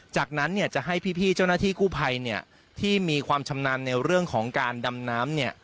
จากนั้นจะให้พี่เจ้าหน้าที่กู้ภัยที่มีความชำนาญในเรื่องของการดำน้ำ